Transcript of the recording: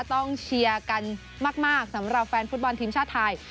เชียร์กันมากสำหรับแฟนฟุตบอลทีมชาติไทย